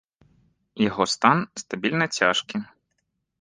Яго стан стабільна цяжкі.